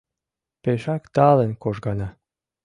Пешак талын кожгана;